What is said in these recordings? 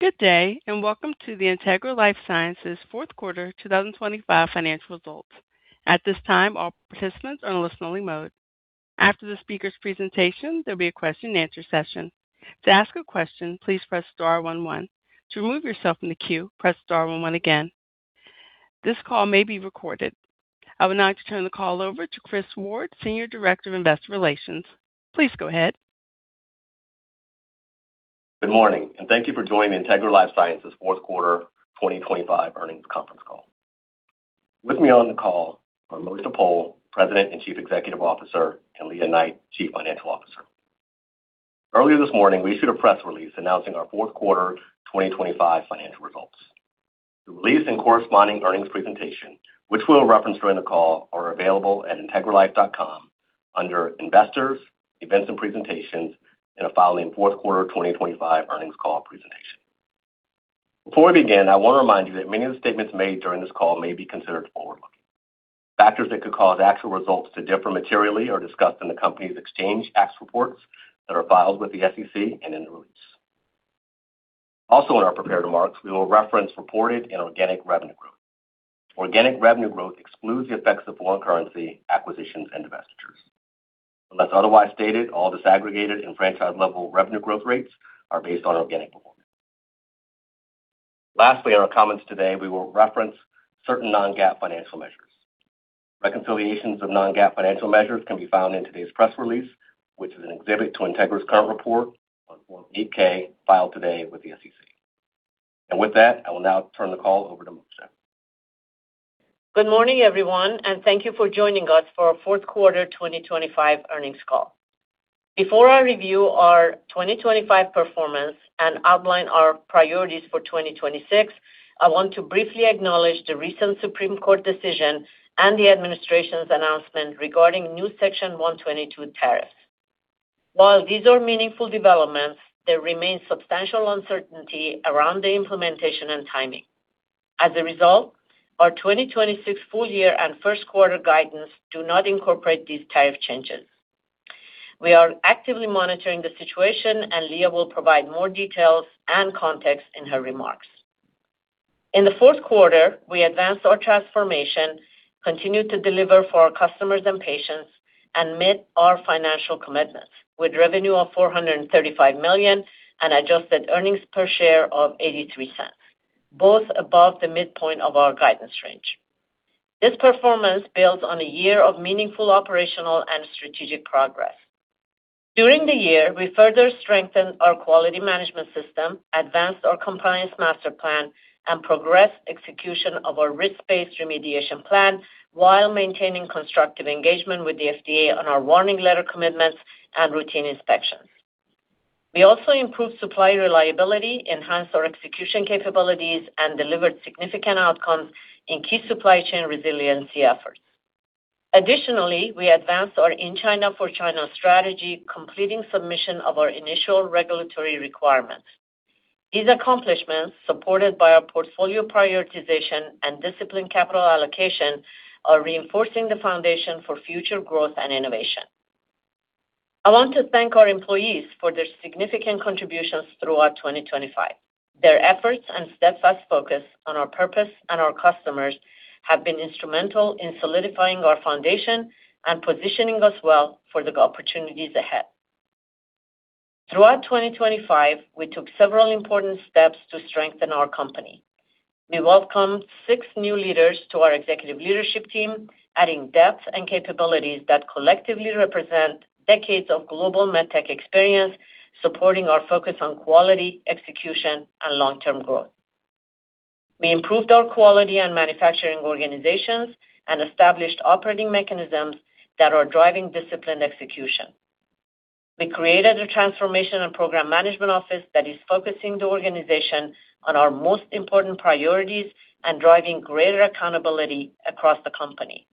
Good day, and welcome to the Integra LifeSciences fourth quarter 2025 financial results. At this time, all participants are in listen-only mode. After the speaker's presentation, there'll be a question-and-answer session. To ask a question, please press star one one. To remove yourself from the queue, press star one one again. This call may be recorded. I would now like to turn the call over to Chris Ward, Senior Director of Investor Relations. Please go ahead. Good morning, thank you for joining Integra LifeSciences fourth quarter 2025 earnings conference call. With me on the call are Mojdeh Poul, President and Chief Executive Officer, and Lea Knight, Chief Financial Officer. Earlier this morning, we issued a press release announcing our fourth quarter 2025 financial results. The release and corresponding earnings presentation, which we'll reference during the call, are available at integralife.com under Investors, Events and Presentations, in a filing fourth quarter 2025 earnings call presentation. Before we begin, I want to remind you that many of the statements made during this call may be considered forward-looking. Factors that could cause actual results to differ materially are discussed in the company's Exchange Act reports that are filed with the SEC and in the release. In our prepared remarks, we will reference reported and organic revenue growth. Organic revenue growth excludes the effects of foreign currency, acquisitions, and divestitures. Unless otherwise stated, all disaggregated and franchise-level revenue growth rates are based on organic performance. Lastly, in our comments today, we will reference certain non-GAAP financial measures. Reconciliations of non-GAAP financial measures can be found in today's press release, which is an exhibit to Integra's current report on Form 8-K, filed today with the SEC. With that, I will now turn the call over to Mojdeh. Good morning, everyone, and thank you for joining us for our fourth quarter 2025 earnings call. Before I review our 2025 performance and outline our priorities for 2026, I want to briefly acknowledge the recent Supreme Court decision and the administration's announcement regarding new Section 122 tariffs. While these are meaningful developments, there remains substantial uncertainty around the implementation and timing. As a result, our 2026 full year and first quarter guidance do not incorporate these tariff changes. We are actively monitoring the situation, and Lea will provide more details and context in her remarks. In the fourth quarter, we advanced our transformation, continued to deliver for our customers and patients, and met our financial commitments, with revenue of $435 million and adjusted earnings per share of $0.83, both above the midpoint of our guidance range. This performance builds on a year of meaningful operational and strategic progress. During the year, we further strengthened our quality management system, advanced our compliance master plan, and progressed execution of our risk-based remediation plan while maintaining constructive engagement with the FDA on our warning letter commitments and routine inspections. We also improved supply reliability, enhanced our execution capabilities, and delivered significant outcomes in key supply chain resiliency efforts. Additionally, we advanced our In China for China strategy, completing submission of our initial regulatory requirements. These accomplishments, supported by our portfolio prioritization and disciplined capital allocation, are reinforcing the foundation for future growth and innovation. I want to thank our employees for their significant contributions throughout 2025. Their efforts and steadfast focus on our purpose and our customers have been instrumental in solidifying our foundation and positioning us well for the opportunities ahead. Throughout 2025, we took several important steps to strengthen our company. We welcomed six new leaders to our executive leadership team, adding depth and capabilities that collectively represent decades of global medtech experience, supporting our focus on quality, execution, and long-term growth. We improved our quality and manufacturing organizations and established operating mechanisms that are driving disciplined execution. We created a transformation and program management office that is focusing the organization on our most important priorities and driving greater accountability across the company.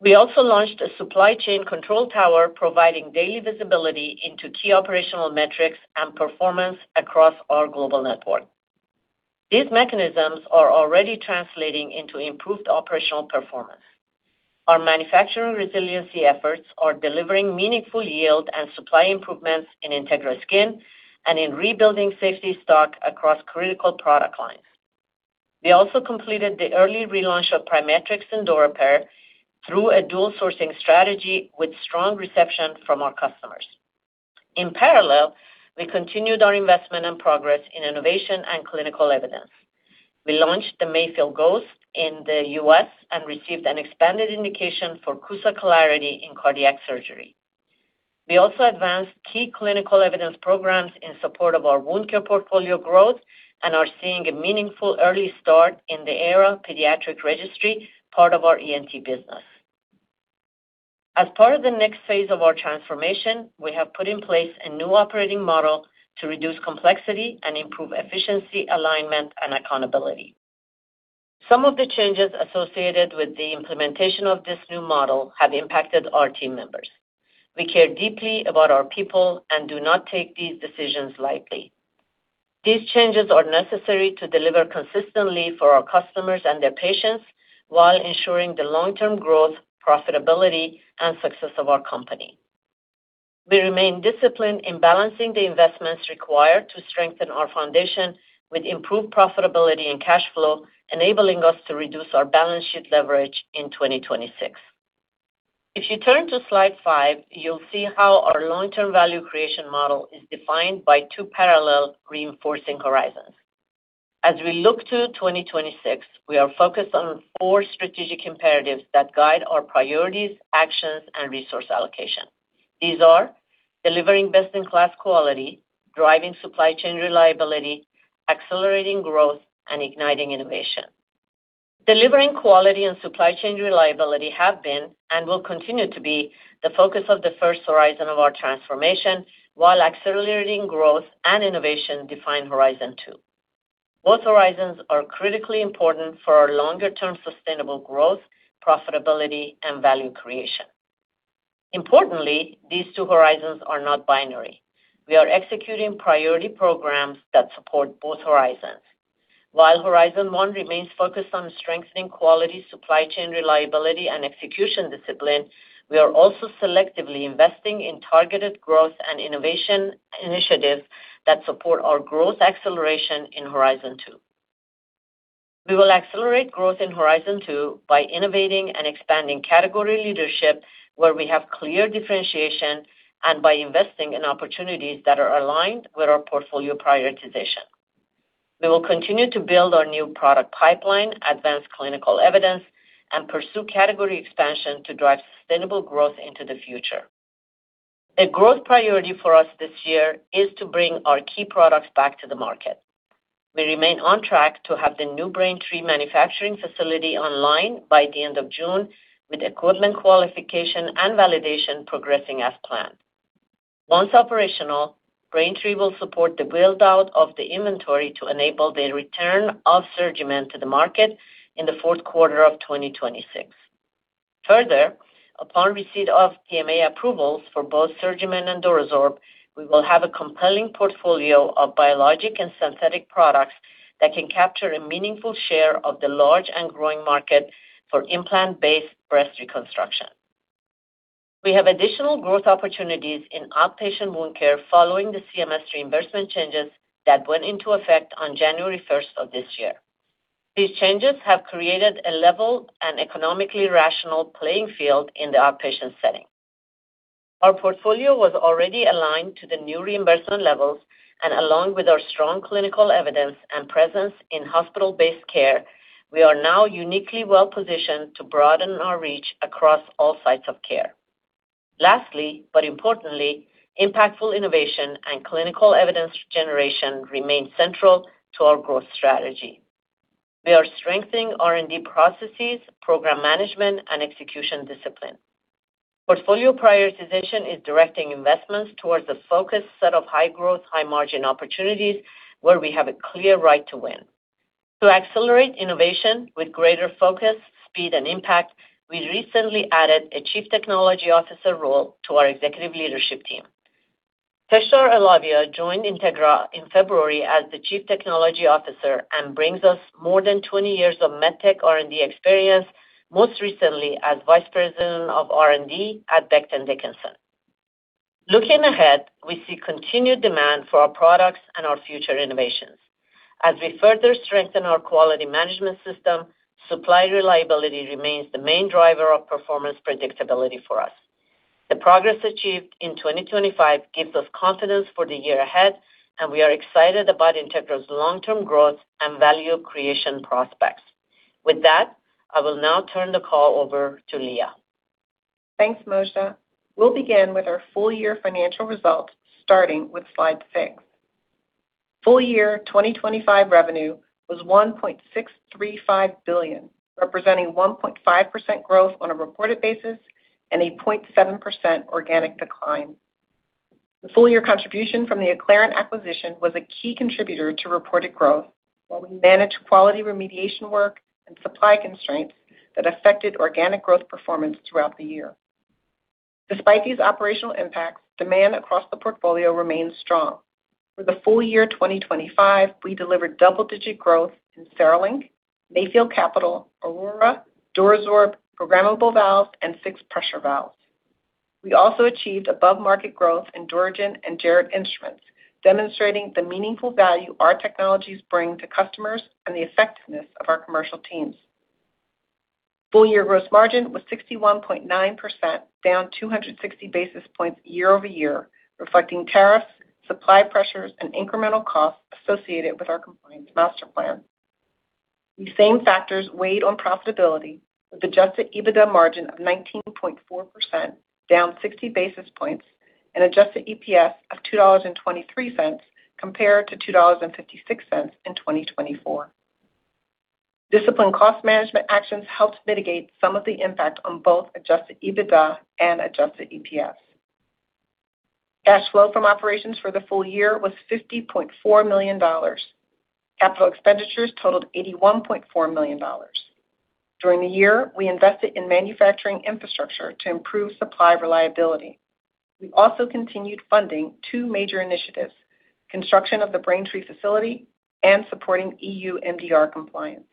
We also launched a supply chain control tower, providing daily visibility into key operational metrics and performance across our global network. These mechanisms are already translating into improved operational performance. Our manufacturing resiliency efforts are delivering meaningful yield and supply improvements in Integra Skin and in rebuilding safety stock across critical product lines. We also completed the early relaunch of PriMatrix and DuraRepair through a dual-sourcing strategy with strong reception from our customers. In parallel, we continued our investment and progress in innovation and clinical evidence. We launched the MAYFIELD Ghost in the U.S. and received an expanded indication for CUSA Clarity in cardiac surgery. We also advanced key clinical evidence programs in support of our wound care portfolio growth and are seeing a meaningful early start in the Aera pediatric registry, part of our ENT business. As part of the next phase of our transformation, we have put in place a new operating model to reduce complexity and improve efficiency, alignment, and accountability. Some of the changes associated with the implementation of this new model have impacted our team members. We care deeply about our people and do not take these decisions lightly. These changes are necessary to deliver consistently for our customers and their patients while ensuring the long-term growth, profitability, and success of our company. We remain disciplined in balancing the investments required to strengthen our foundation with improved profitability and cash flow, enabling us to reduce our balance sheet leverage in 2026. If you turn to slide 5, you'll see how our long-term value creation model is defined by 2 parallel reinforcing horizons. As we look to 2026, we are focused on 4 strategic imperatives that guide our priorities, actions, and resource allocation. These are: delivering best-in-class quality, driving supply chain reliability, accelerating growth, and igniting innovation. Delivering quality and supply chain reliability have been, and will continue to be, the focus of the first horizon of our transformation, while accelerating growth and innovation define horizon 2. Both horizons are critically important for our longer-term sustainable growth, profitability, and value creation. Importantly, these two horizons are not binary. We are executing priority programs that support both horizons. While Horizon One remains focused on strengthening quality, supply chain reliability, and execution discipline, we are also selectively investing in targeted growth and innovation initiatives that support our growth acceleration in Horizon Two. We will accelerate growth in Horizon Two by innovating and expanding category leadership, where we have clear differentiation, and by investing in opportunities that are aligned with our portfolio prioritization. We will continue to build our new product pipeline, advance clinical evidence, and pursue category expansion to drive sustainable growth into the future. A growth priority for us this year is to bring our key products back to the market. We remain on track to have the new Braintree manufacturing facility online by the end of June, with equipment qualification and validation progressing as planned. Once operational, Braintree will support the build-out of the inventory to enable the return of SurgiMend to the market in the fourth quarter of 2026. Further, upon receipt of PMA approvals for both SurgiMend and DuraSorb, we will have a compelling portfolio of biologic and synthetic products that can capture a meaningful share of the large and growing market for implant-based breast reconstruction. We have additional growth opportunities in outpatient wound care following the CMS reimbursement changes that went into effect on January first of this year. These changes have created a level and economically rational playing field in the outpatient setting. Our portfolio was already aligned to the new reimbursement levels, along with our strong clinical evidence and presence in hospital-based care, we are now uniquely well-positioned to broaden our reach across all sites of care. Lastly, importantly, impactful innovation and clinical evidence generation remain central to our growth strategy. We are strengthening R&D processes, program management, and execution discipline. Portfolio prioritization is directing investments towards a focused set of high-growth, high-margin opportunities where we have a clear right to win. To accelerate innovation with greater focus, speed, and impact, we recently added a Chief Technology Officer role to our executive leadership team. Tushar Ahlawat joined Integra in February as the Chief Technology Officer and brings us more than 20 years of medtech R&D experience, most recently as Vice President of R&D at Becton Dickinson. Looking ahead, we see continued demand for our products and our future innovations. As we further strengthen our quality management system, supply reliability remains the main driver of performance predictability for us. The progress achieved in 2025 gives us confidence for the year ahead. We are excited about Integra's long-term growth and value creation prospects. With that, I will now turn the call over to Lea. Thanks, Mojdeh. We'll begin with our full-year financial results, starting with slide 6. Full year 2025 revenue was $1.635 billion, representing 1.5% growth on a reported basis and a 0.7% organic decline. The full-year contribution from the Acclarent acquisition was a key contributor to reported growth, while we managed quality remediation work and supply constraints that affected organic growth performance throughout the year. Despite these operational impacts, demand across the portfolio remains strong. For the full year 2025, we delivered double-digit growth in CereLink, Mayfield Capital, AURORA, DuraSorb, programmable valves, and fixed pressure valves. We also achieved above-market growth in DuraGen and Jarit Instruments, demonstrating the meaningful value our technologies bring to customers and the effectiveness of our commercial teams. Full-year gross margin was 61.9%, down 260 basis points year-over-year, reflecting tariffs, supply pressures, and incremental costs associated with our compliance master plan. These same factors weighed on profitability, with adjusted EBITDA margin of 19.4%, down 60 basis points, and adjusted EPS of $2.23, compared to $2.56 in 2024. Disciplined cost management actions helped mitigate some of the impact on both adjusted EBITDA and adjusted EPS. Cash flow from operations for the full year was $50.4 million. Capital expenditures totaled $81.4 million. During the year, we invested in manufacturing infrastructure to improve supply reliability. We also continued funding two major initiatives: construction of the Braintree facility and supporting EU MDR compliance.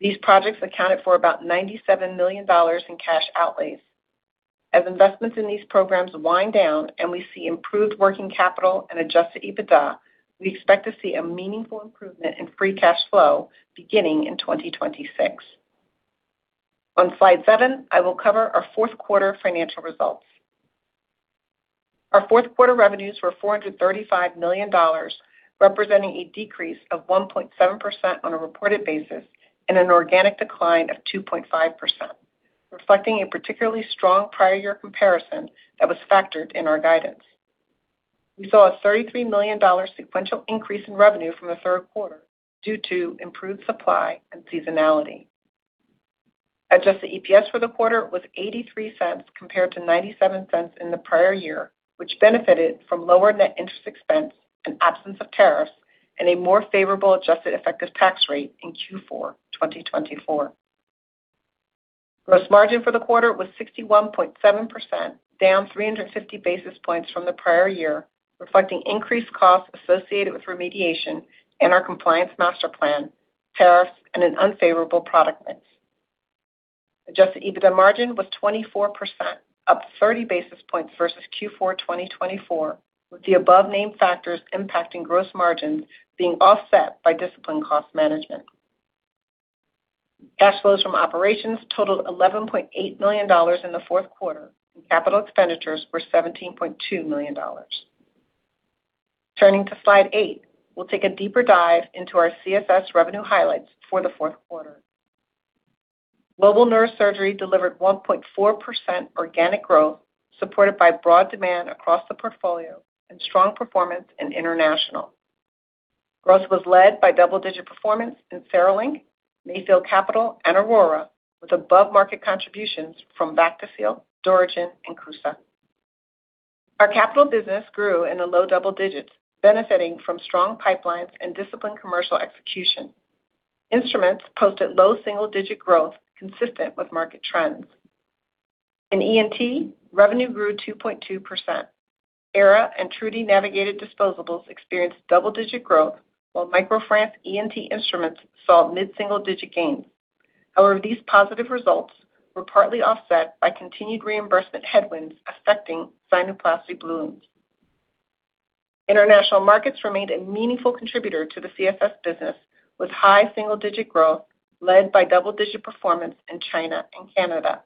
These projects accounted for about $97 million in cash outlays. As investments in these programs wind down and we see improved working capital and adjusted EBITDA, we expect to see a meaningful improvement in free cash flow beginning in 2026. On slide 7, I will cover our fourth quarter financial results. Our fourth quarter revenues were $435 million, representing a decrease of 1.7% on a reported basis and an organic decline of 2.5%, reflecting a particularly strong prior year comparison that was factored in our guidance. We saw a $33 million sequential increase in revenue from the third quarter due to improved supply and seasonality. Adjusted EPS for the quarter was $0.83 compared to $0.97 in the prior year, which benefited from lower net interest expense and absence of tariffs, and a more favorable adjusted effective tax rate in Q4, 2024. Gross margin for the quarter was 61.7%, down 350 basis points from the prior year, reflecting increased costs associated with remediation and our compliance master plan, tariffs, and an unfavorable product mix. Adjusted EBITDA margin was 24%, up 30 basis points versus Q4 2024, with the above named factors impacting gross margins being offset by disciplined cost management. Cash flows from operations totaled $11.8 million in the fourth quarter, and capital expenditures were $17.2 million. Turning to slide 8, we'll take a deeper dive into our CSS revenue highlights for the fourth quarter. Global neurosurgery delivered 1.4% organic growth, supported by broad demand across the portfolio and strong performance in international. Growth was led by double-digit performance in CereLink, MAYFIELD Capital, and AURORA, with above-market contributions from Bactiseal, DuraGen, and CUSA. Our capital business grew in the low double digits, benefiting from strong pipelines and disciplined commercial execution. Instruments posted low single-digit growth consistent with market trends. In ENT, revenue grew 2.2%. Aera and TruDi navigated disposables experienced double-digit growth, while MicroFrance ENT Instruments saw mid-single-digit gains. However, these positive results were partly offset by continued reimbursement headwinds affecting sinuplasty balloons. International markets remained a meaningful contributor to the CSF business, with high single-digit growth led by double-digit performance in China and Canada.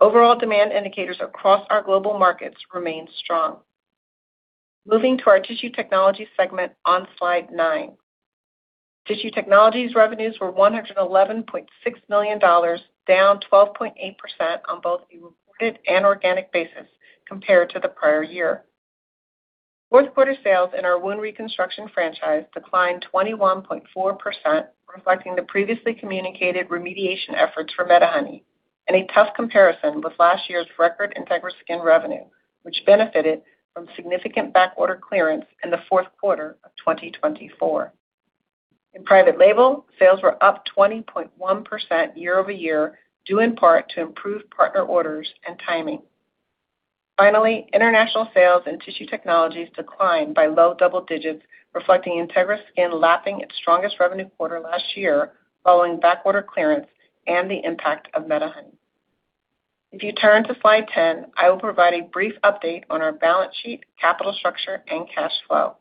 Overall demand indicators across our global markets remain strong. Moving to our Tissue Technologies segment on Slide 9. Tissue Technologies revenues were $111.6 million, down 12.8% on both a reported and organic basis compared to the prior year. Fourth quarter sales in our Wound Reconstruction franchise declined 21.4%, reflecting the previously communicated remediation efforts for MediHoney and a tough comparison with last year's record Integra Skin revenue, which benefited from significant backorder clearance in the fourth quarter of 2024. In private label, sales were up 20.1% year-over-year, due in part to improved partner orders and timing. International sales and Tissue Technologies declined by low double digits, reflecting Integra Skin lapping its strongest revenue quarter last year, following backorder clearance and the impact of MediHoney. If you turn to slide 10, I will provide a brief update on our balance sheet, capital structure, and cash flow.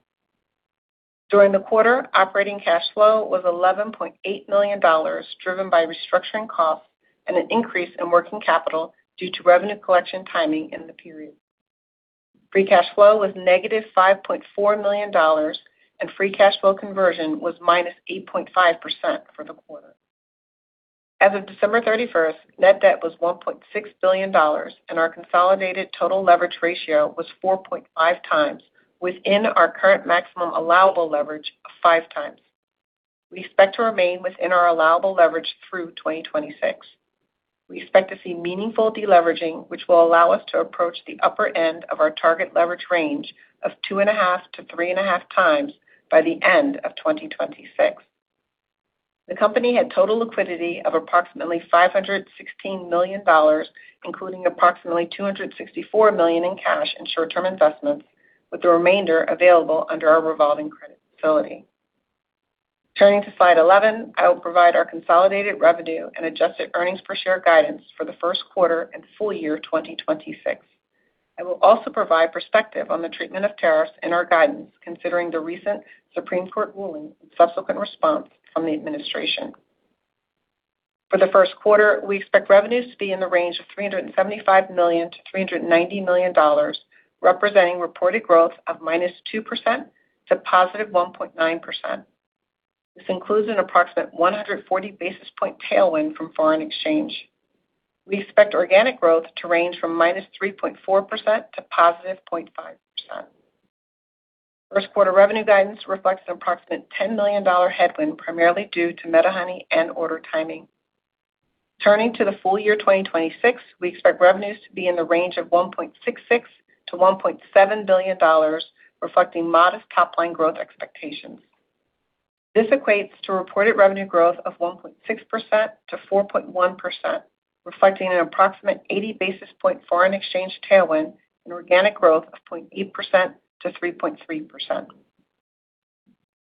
During the quarter, operating cash flow was $11.8 million, driven by restructuring costs and an increase in working capital due to revenue collection timing in the period. Free cash flow was -$5.4 million, and free cash flow conversion was -8.5% for the quarter. As of December 31st, net debt was $1.6 billion, and our consolidated total leverage ratio was 4.5x, within our current maximum allowable leverage of 5x. We expect to remain within our allowable leverage through 2026. We expect to see meaningful deleveraging, which will allow us to approach the upper end of our target leverage range of 2.5x-3.5x by the end of 2026. The company had total liquidity of approximately $516 million, including approximately $264 million in cash and short-term investments, with the remainder available under our revolving credit facility. Turning to slide 11, I will provide our consolidated revenue and adjusted earnings per share guidance for the first quarter and full year of 2026. I will also provide perspective on the treatment of tariffs in our guidance, considering the recent Supreme Court ruling and subsequent response from the administration. For the first quarter, we expect revenues to be in the range of $375 million-$390 million, representing reported growth of -2% to +1.9%. This includes an approximate 140 basis point tailwind from foreign exchange. We expect organic growth to range from -3.4% to +0.5%. First quarter revenue guidance reflects an approximate $10 million headwind, primarily due to MediHoney and order timing. Turning to the full year 2026, we expect revenues to be in the range of $1.66 billion-$1.7 billion, reflecting modest top-line growth expectations. This equates to reported revenue growth of 1.6%-4.1%, reflecting an approximate 80 basis point foreign exchange tailwind and organic growth of 0.8%-3.3%.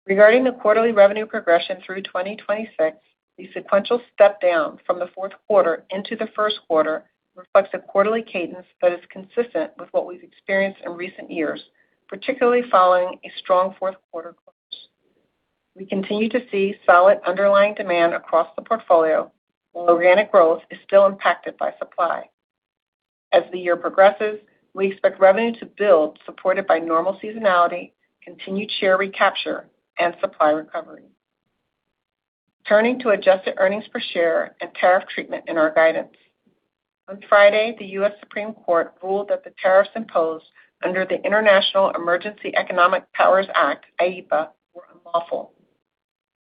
Regarding the quarterly revenue progression through 2026, the sequential step down from the fourth quarter into the first quarter reflects a quarterly cadence that is consistent with what we've experienced in recent years, particularly following a strong fourth quarter. We continue to see solid underlying demand across the portfolio, while organic growth is still impacted by supply. As the year progresses, we expect revenue to build, supported by normal seasonality, continued share recapture, and supply recovery. Turning to adjusted earnings per share and tariff treatment in our guidance. On Friday, the U.S. Supreme Court ruled that the tariffs imposed under the International Emergency Economic Powers Act, IEEPA, were unlawful.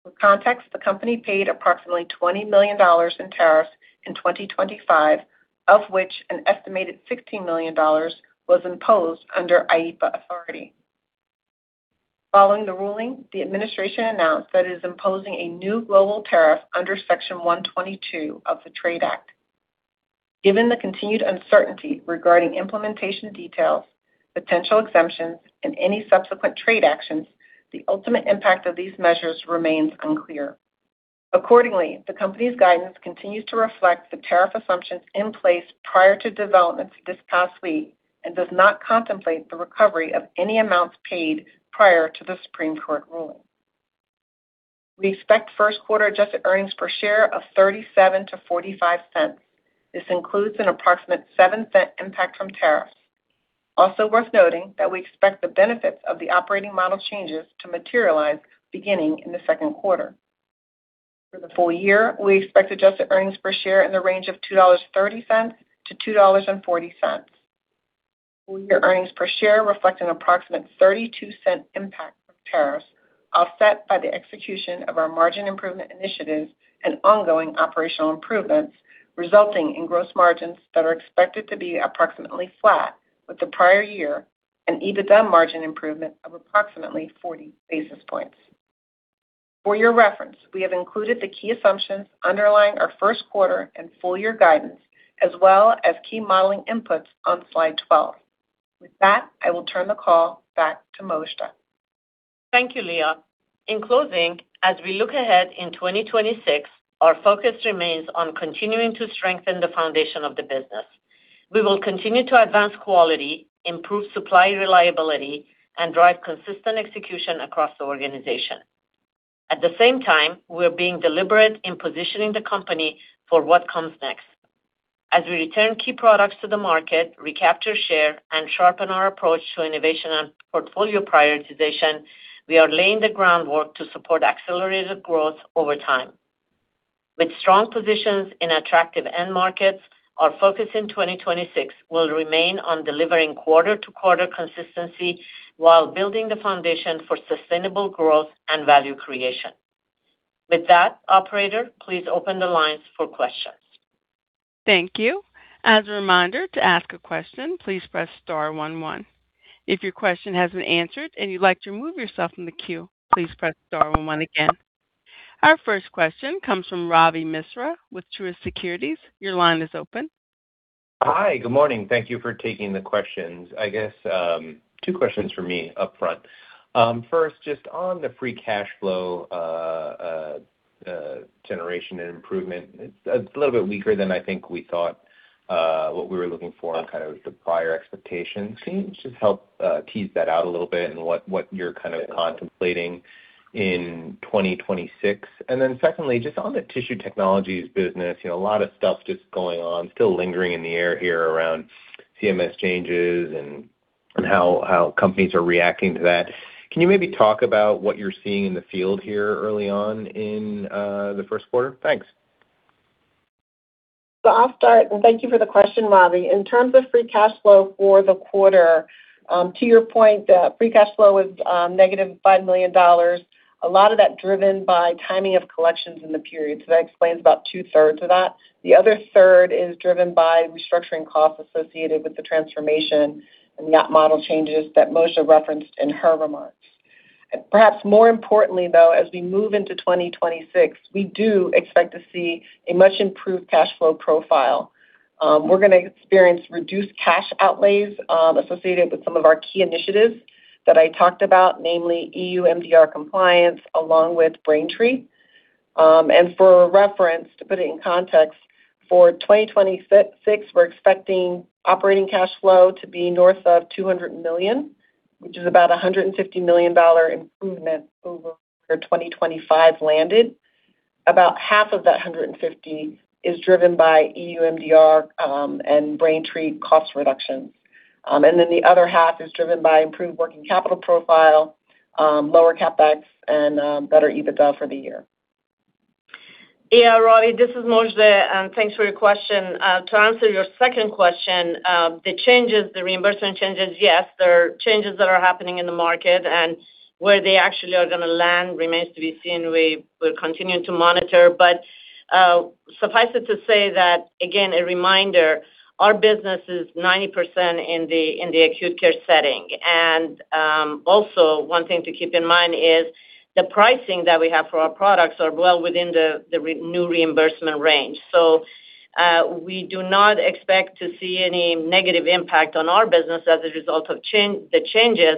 For context, the company paid approximately $20 million in tariffs in 2025, of which an estimated $16 million was imposed under IEEPA authority. Following the ruling, the administration announced that it is imposing a new global tariff under Section 122 of the Trade Act. Given the continued uncertainty regarding implementation details, potential exemptions, and any subsequent trade actions, the ultimate impact of these measures remains unclear. Accordingly, the company's guidance continues to reflect the tariff assumptions in place prior to developments this past week and does not contemplate the recovery of any amounts paid prior to the Supreme Court ruling. We expect first quarter adjusted earnings per share of $0.37-$0.45. This includes an approximate $0.07 impact from tariffs. Worth noting that we expect the benefits of the operating model changes to materialize beginning in the second quarter. For the full year, we expect adjusted earnings per share in the range of $2.30-$2.40. Full year earnings per share reflect an approximate $0.32 impact from tariffs, offset by the execution of our margin improvement initiatives and ongoing operational improvements, resulting in gross margins that are expected to be approximately flat with the prior year and EBITDA margin improvement of approximately 40 basis points. For your reference, we have included the key assumptions underlying our first quarter and full year guidance, as well as key modeling inputs on slide 12. With that, I will turn the call back to Mojdeh. Thank you, Lea. In closing, as we look ahead in 2026, our focus remains on continuing to strengthen the foundation of the business. We will continue to advance quality, improve supply reliability, and drive consistent execution across the organization. At the same time, we're being deliberate in positioning the company for what comes next. As we return key products to the market, recapture share, and sharpen our approach to innovation and portfolio prioritization, we are laying the groundwork to support accelerated growth over time. With strong positions in attractive end markets, our focus in 2026 will remain on delivering quarter-to-quarter consistency while building the foundation for sustainable growth and value creation. With that, operator, please open the lines for questions. Thank you. As a reminder, to ask a question, please press star one one. If your question hasn't answered and you'd like to remove yourself from the queue, please press star one one again. Our first question comes from Ravi Misra with Truist Securities. Your line is open. Hi, good morning. Thank you for taking the questions. I guess, two questions for me upfront. First, just on the free cash flow generation and improvement, it's a little bit weaker than I think we thought, what we were looking for in kind of the prior expectations. Can you just help tease that out a little bit and what you're kind of contemplating in 2026? Secondly, just on the Tissue Technologies business, you know, a lot of stuff just going on, still lingering in the air here around CMS changes and how companies are reacting to that. Can you maybe talk about what you're seeing in the field here early on in the first quarter? Thanks. I'll start, and thank you for the question, Ravi. In terms of free cash flow for the quarter, to your point, the free cash flow is negative $5 million. A lot of that driven by timing of collections in the period, so that explains about two-thirds of that. The other third is driven by restructuring costs associated with the transformation and the OP model changes that Mojdeh referenced in her remarks. Perhaps more importantly, though, as we move into 2026, we do expect to see a much improved cash flow profile. We're gonna experience reduced cash outlays associated with some of our key initiatives that I talked about, namely EU MDR compliance, along with Braintree. For reference, to put it in context, for 2026, we're expecting operating cash flow to be north of $200 million, which is about a $150 million improvement over where 2025 landed. About half of that $150 is driven by EU MDR and Braintree cost reductions. The other half is driven by improved working capital profile, lower CapEx and better EBITDA for the year. Ravi, this is Mojdeh, and thanks for your question. To answer your second question, the changes, the reimbursement changes, yes, there are changes that are happening in the market, and where they actually are gonna land remains to be seen. We will continue to monitor, but suffice it to say that again, a reminder, our business is 90% in the, in the acute care setting. Also one thing to keep in mind is the pricing that we have for our products are well within the new reimbursement range. We do not expect to see any negative impact on our business as a result of change, the changes.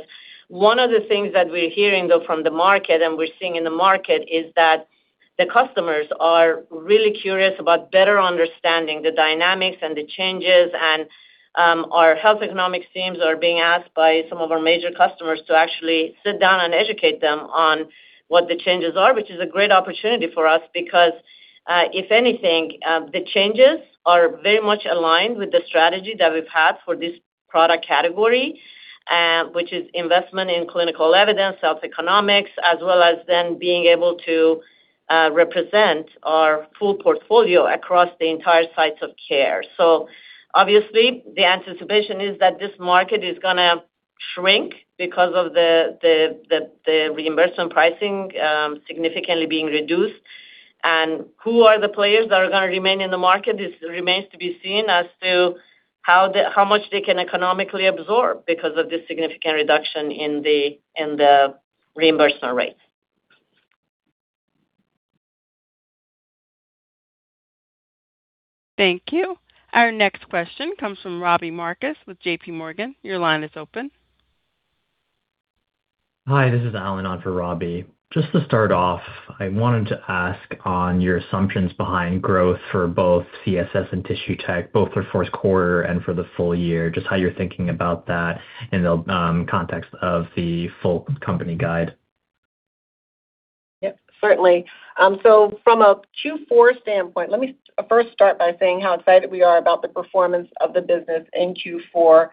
One of the things that we're hearing, though, from the market and we're seeing in the market, is that the customers are really curious about better understanding the dynamics and the changes. Our health economics teams are being asked by some of our major customers to actually sit down and educate them on what the changes are, which is a great opportunity for us, because if anything, the changes are very much aligned with the strategy that we've had for this product category, which is investment in clinical evidence, health economics, as well as then being able to represent our full portfolio across the entire sites of care. Obviously, the anticipation is that this market is going to shrink because of the reimbursement pricing significantly being reduced. Who are the players that are going to remain in the market? This remains to be seen as to how much they can economically absorb because of this significant reduction in the reimbursement rates. Thank you. Our next question comes from Robbie Marcus with JP Morgan. Your line is open. Hi, this is Alan, on for Robbie. Just to start off, I wanted to ask on your assumptions behind growth for both CSS and tissue tech, both for fourth quarter and for the full year, just how you're thinking about that in the context of the full company guide. Yep, certainly. From a Q4 standpoint, let me first start by saying how excited we are about the performance of the business in Q4.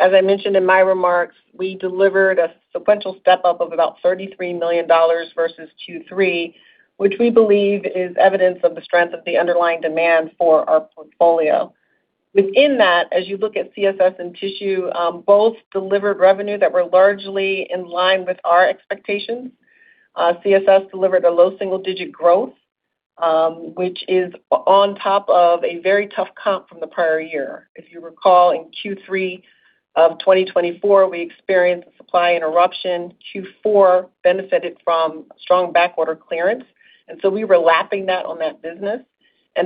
As I mentioned in my remarks, we delivered a sequential step up of about $33 million versus Q3, which we believe is evidence of the strength of the underlying demand for our portfolio. Within that, as you look at CSS and tissue, both delivered revenue that were largely in line with our expectations. CSS delivered a low single digit growth, which is on top of a very tough comp from the prior year. If you recall, in Q3 of 2024, we experienced a supply interruption. Q4 benefited from strong backorder clearance, we were lapping that on that business.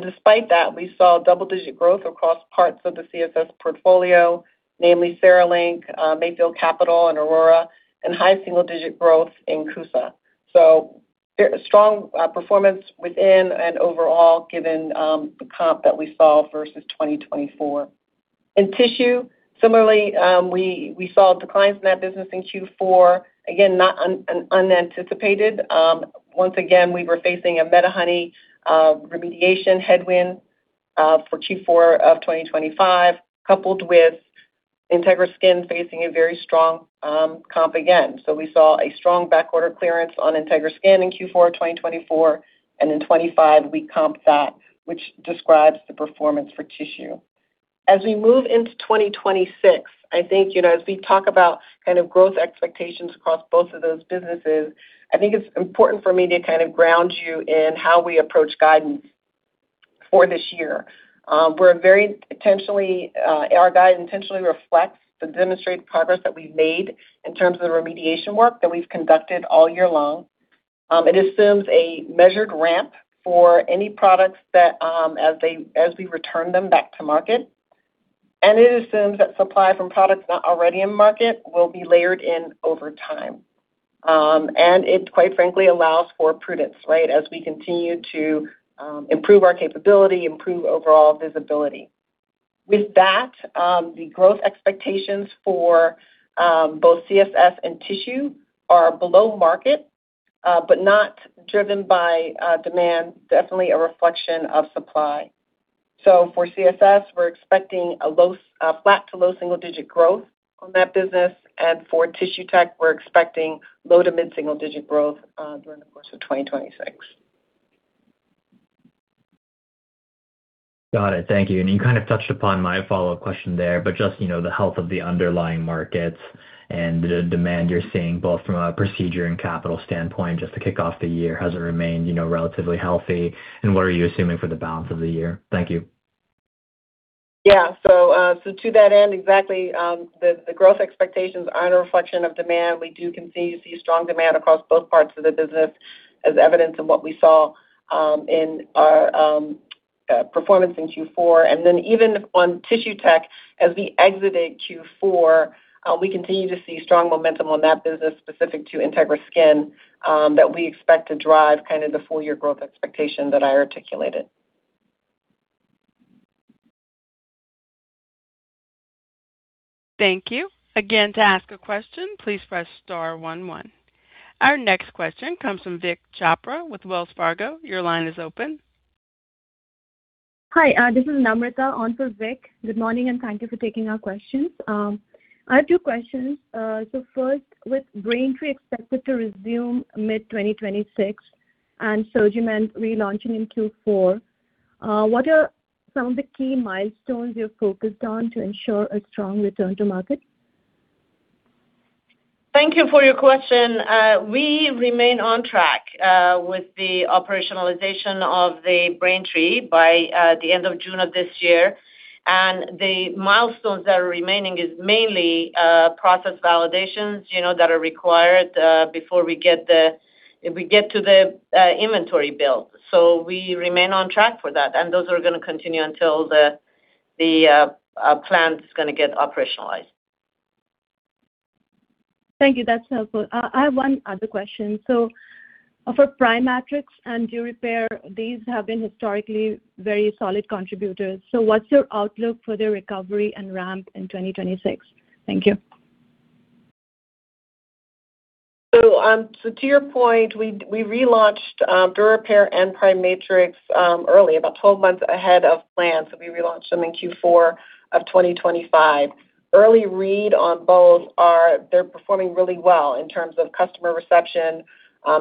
Despite that, we saw double-digit growth across parts of the CSS portfolio, namely CereLink, MAYFIELD Capital and AURORA, and high single-digit growth in CUSA. Strong performance within and overall, given the comp that we saw versus 2024. In tissue, similarly, we saw declines in that business in Q4. Again, not unanticipated. Once again, we were facing a MediHoney remediation headwind for Q4 of 2025, coupled with Integra Skin facing a very strong comp again. We saw a strong backorder clearance on Integra Skin in Q4 of 2024, and in 2025 we comped that, which describes the performance for tissue. As we move into 2026, I think, you know, as we talk about kind of growth expectations across both of those businesses, I think it's important for me to kind of ground you in how we approach guidance for this year. We're very intentionally, our guide intentionally reflects the demonstrated progress that we've made in terms of the remediation work that we've conducted all year long. It assumes a measured ramp for any products that as we return them back to market, it assumes that supply from products not already in market will be layered in over time. It, quite frankly, allows for prudence, right, as we continue to improve our capability, improve overall visibility. With that, the growth expectations for both CSS and tissue are below market, but not driven by demand, definitely a reflection of supply. For CSS, we're expecting a low, flat to low single-digit growth on that business. For tissue tech, we're expecting low to mid single-digit growth during the course of 2026. Got it. Thank you. You kind of touched upon my follow-up question there, but just, you know, the health of the underlying markets and the demand you're seeing, both from a procedure and capital standpoint, just to kick off the year, has it remained, you know, relatively healthy, and what are you assuming for the balance of the year? Thank you. Yeah. To that end, exactly, the growth expectations are a reflection of demand. We do continue to see strong demand across both parts of the business, as evidenced in what we saw in our performance in Q4. Even on Tissue Tech, as we exited Q4, we continue to see strong momentum on that business specific to Integra Skin, that we expect to drive kind of the full year growth expectation that I articulated. Thank you. Again, to ask a question, please press star one one. Our next question comes from Vik Chopra with Wells Fargo. Your line is open. Hi, this is Namrata on for Vik. Good morning, and thank you for taking our questions. I have two questions. So first, with Braintree expected to resume mid-2026 and SurgiMend relaunching in Q4, what are some of the key milestones you're focused on to ensure a strong return to market? Thank you for your question. We remain on track with the operationalization of the Braintree by the end of June of this year. The milestones that are remaining is mainly process validations, you know, that are required before we get to the inventory build. We remain on track for that, and those are going to continue until the plant is going to get operationalized. Thank you. That's helpful. I have one other question. For PriMatrix and DuraRepair, these have been historically very solid contributors. What's your outlook for their recovery and ramp in 2026? Thank you. To your point, we relaunched DuraRepair and PriMatrix early, about 12 months ahead of plan. We relaunched them in Q4 of 2025. Early read on both are, they're performing really well in terms of customer reception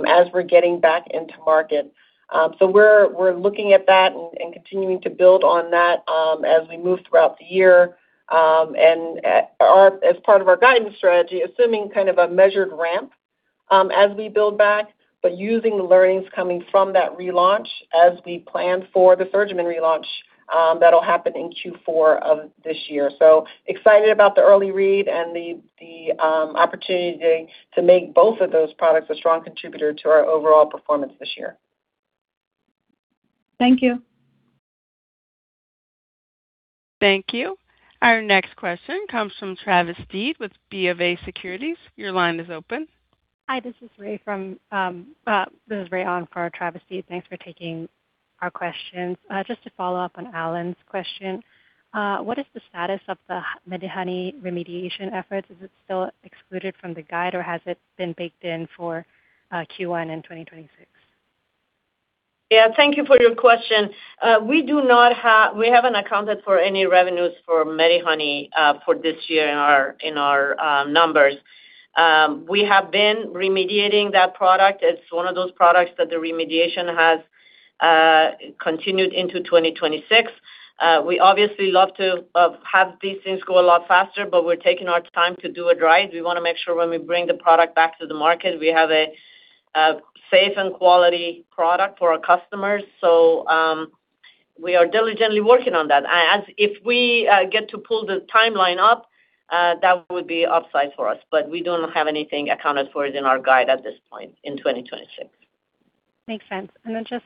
as we're getting back into market. We're looking at that and continuing to build on that as we move throughout the year. As part of our guidance strategy, assuming kind of a measured ramp as we build back, but using the learnings coming from that relaunch as we plan for the SurgiMend relaunch that'll happen in Q4 of this year. Excited about the early read and the opportunity to make both of those products a strong contributor to our overall performance this year. Thank you. Thank you. Our next question comes from Travis Steed with BofA Securities. Your line is open. Hi, this is Ray on for Travis Steed. Thanks for taking our questions. Just to follow up on Alan's question, what is the status of the MediHoney remediation efforts? Is it still excluded from the guide, or has it been baked in for Q1 in 2026? Yeah, thank thank you for your question. We haven't accounted for any revenues for MediHoney for this year in our, in our numbers. We have been remediating that product. It's one of those products that the remediation has continued into 2026. We obviously love to have these things go a lot faster, but we're taking our time to do it right. We want to make sure when we bring the product back to the market, we have a safe and quality product for our customers. We are diligently working on that. As if we get to pull the timeline up, that would be upside for us, but we don't have anything accounted for it in our guide at this point in 2026. Makes sense. Then just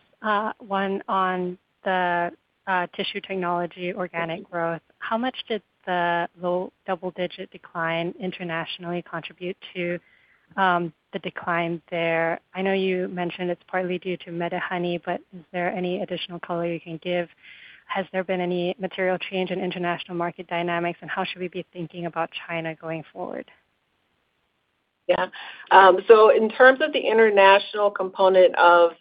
one on the Tissue Technology, organic growth. How much did the low double-digit decline internationally contribute to the decline there? I know you mentioned it's partly due to MediHoney. Is there any additional color you can give? Has there been any material change in international market dynamics? How should we be thinking about China going forward? Yeah. In terms of the international component of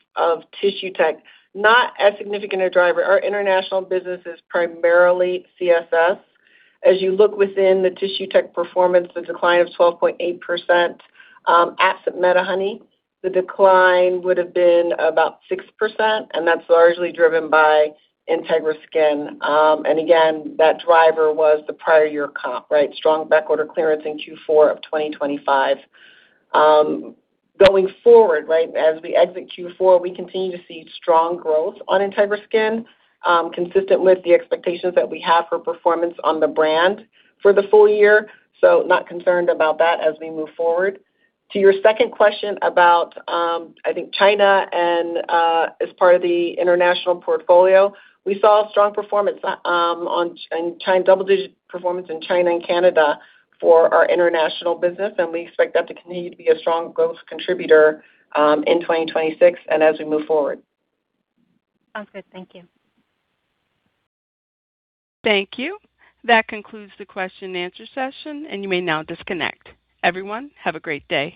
Tissue Technologies, not as significant a driver. Our international business is primarily CSS. As you look within the Tissue Technologies performance, the decline of 12.8%, absent MediHoney, the decline would have been about 6%, and that's largely driven by Integra Skin. And again, that driver was the prior year comp, right? Strong back order clearance in Q4 of 2025. Going forward, as we exit Q4, we continue to see strong growth on Integra Skin, consistent with the expectations that we have for performance on the brand for the full year. Not concerned about that as we move forward. To your second question about, I think China and as part of the international portfolio, we saw strong performance in China, double-digit performance in China and Canada for our international business. We expect that to continue to be a strong growth contributor in 2026 and as we move forward. Sounds good. Thank you. Thank you. That concludes the question and answer session, and you may now disconnect. Everyone, have a great day.